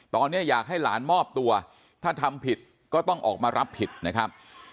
ตอนนี้อยากให้หลานมอบตัวถ้าทำผิดก็ต้องออกมารับผิดนะครับ